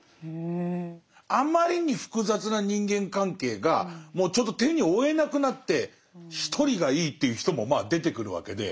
あまりに複雑な人間関係がもうちょっと手に負えなくなって一人がいいっていう人もまあ出てくるわけで。